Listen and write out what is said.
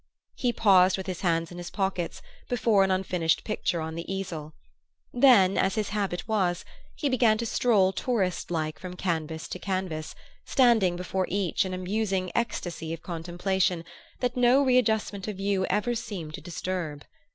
He paused with his hands in his pockets before an unfinished picture on the easel; then, as his habit was, he began to stroll touristlike from canvas to canvas, standing before each in a musing ecstasy of contemplation that no readjustment of view ever seemed to disturb.